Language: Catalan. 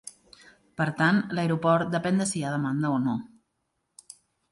Per tant, l’aeroport depèn de si hi ha demanda o no.